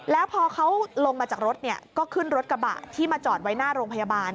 แล้วพอเขาลงมาจากรถก็ขึ้นรถกระบะที่มาจอดไว้หน้าโรงพยาบาล